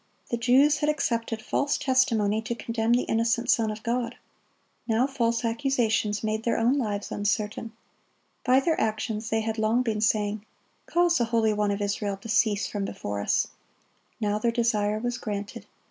The Jews had accepted false testimony to condemn the innocent Son of God. Now false accusations made their own lives uncertain. By their actions they had long been saying, "Cause the Holy One of Israel to cease from before us."(38) Now their desire was granted.